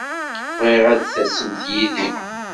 Bɣiɣ ad tasemt yid-i.